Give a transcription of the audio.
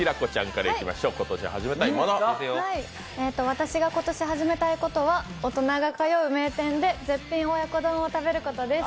私が今年始めたいことは大人が通う名店で絶品親子丼を食べることです。